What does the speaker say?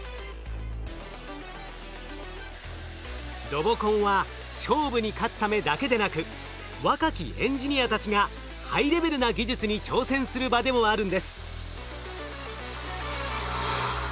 ロボコンは勝負に勝つためだけでなく若きエンジニアたちがハイレベルな技術に挑戦する場でもあるんです。